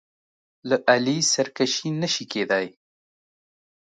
له علي سرکشي نه شي کېدای.